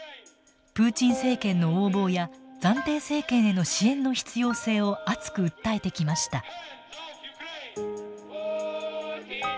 プーチン政権の横暴や暫定政権への支援の必要性を熱く訴えてきました。